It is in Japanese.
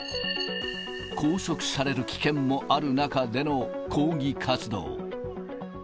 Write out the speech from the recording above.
拘束される危険もある中での抗議活動。